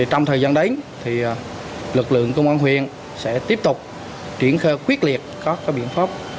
trong thời gian đến lực lượng công an huyện sẽ tiếp tục triển khai quyết liệt các biện pháp